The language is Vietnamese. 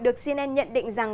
được cnn nhận định rằng